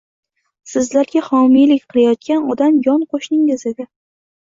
Sizlarga homiylik qilayotgan odam yon qoʻshningiz edi.